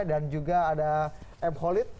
dan juga ada m holid